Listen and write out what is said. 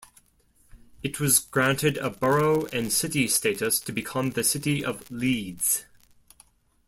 It was granted a borough and city status to become the City of Leeds.